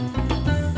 e sedabak hati lo